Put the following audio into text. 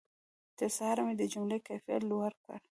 تر سهاره مې د جملو کیفیت لوړ کړ.